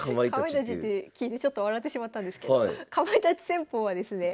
かまいたちって聞いてちょっと笑ってしまったんですけどかまいたち戦法はですね